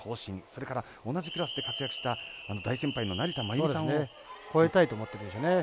それから、同じクラスで活躍した大先輩の成田真由美さんを。超えたいと思ってるでしょうね。